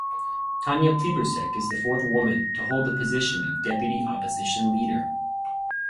Tanya Plibersek is the fourth woman to hold the position of Deputy Opposition Leader.